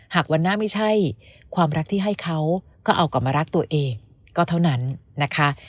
หากวันหน้าไม่ใช่ความรักที่ให้เขาก็เอากลับมารักตัวเองก็เท่านั้นนะคะ